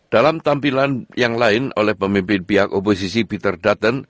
dalam tampilan yang lain oleh pemimpin pihak oposisi peter dutton